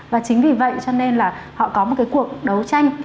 và chính vì vậy cho nên là họ có một cái cuộc đấu tranh